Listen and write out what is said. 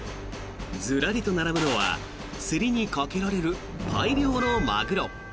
ずらりと並ぶのは競りにかけられる大量のマグロ。